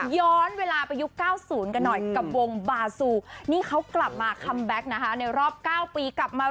ย้อนเวลาไปยุค๙๐กันหน่อยกับวงบาซูนี่เขากลับมาคัมแบ็คนะคะในรอบ๙ปีกลับมา